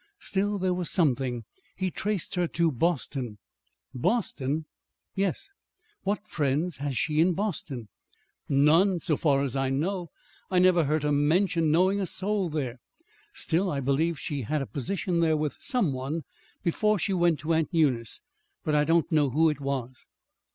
Still, there was something. He traced her to Boston." "Boston!" "Yes." "What friends has she in Boston?" "None, so far as I know. I never heard her mention knowing a soul there. Still, I believe she had a a position there with some one, before she went to Aunt Eunice; but I don't know who it was."